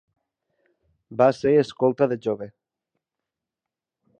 Va ser escolta de jove.